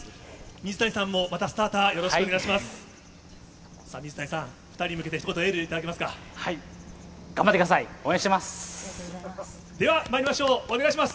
水谷さんもまたスターター、よろしくお願いします。